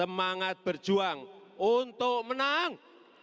semangat berjuang untuk menang